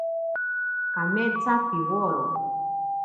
Kametsa piworo.